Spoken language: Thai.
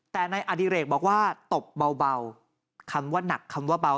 แต่นายอดิเรกบอกว่าตบเบาคำว่าหนักคำว่าเบา